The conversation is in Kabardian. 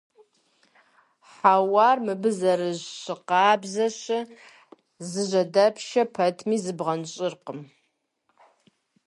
Хьэуар мыбы зэрыщыкъабзащэ, зыжьэдэпшэ пэтми, зыбгъэнщӀыркъым.